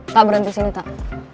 tak berhenti sini tak